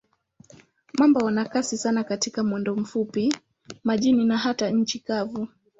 Mamba wana kasi sana katika mwendo mfupi, majini na hata nchi kavu.